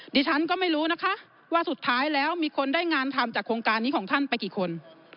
ดิฉันก็ไม่รู้นะคะว่าสุดท้ายแล้วมีคนได้งานทำจากโครงการนี้ของท่านไปกี่คน